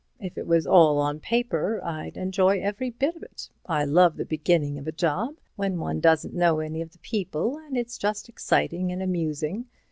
If it was all on paper I'd enjoy every bit of it. I love the beginning of a job—when one doesn't know any of the people and it's just exciting and amusing.